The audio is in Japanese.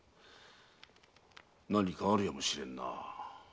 何かあるやもしれぬな。